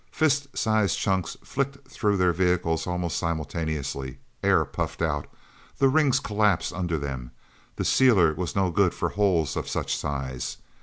Fist sized chunks flicked through their vehicles almost simultaneously. Air puffed out. Their rings collapsed under them the sealer was no good for holes of such size.